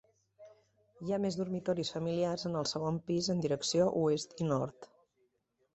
Hi ha més dormitoris familiars en el segon pis en direcció oest i nord.